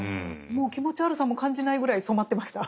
もう気持ち悪さも感じないぐらい染まってました。